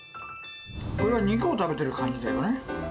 これは肉を食べてる感じだよね。